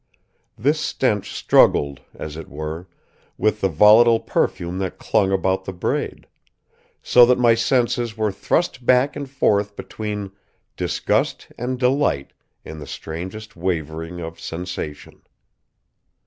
This stench struggled, as it were, with the volatile perfume that clung about the braid; so that my senses were thrust back and forth between disgust and delight in the strangest wavering of sensation.